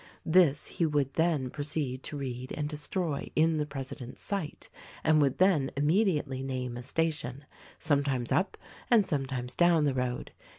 This he would then proceed to read and destroy in the president's sight and would then immediately name a station — some times up and sometimes down the road.